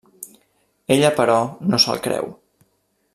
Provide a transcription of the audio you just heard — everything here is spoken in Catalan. Ella, però, no se'l creu.